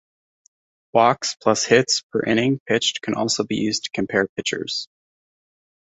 Walks plus hits per inning pitched can also be used to compare pitchers.